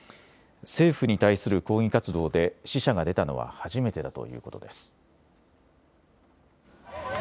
政府に対する抗議活動で死者が出たのは初めてだということです。